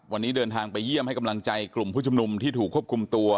วันนี้เดินทางไปเยี่ยมให้กำลังใจกลุ่มผู้ชุมนุมที่ถูกควบคุมตัว